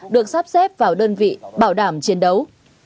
được sắp xếp vào đơn vị bảo đảm chiến đấu